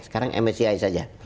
sekarang msci saja